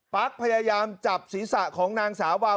พยายามจับศีรษะของนางสาวาว